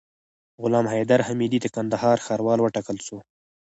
غلام حیدر حمیدي د کندهار ښاروال وټاکل سو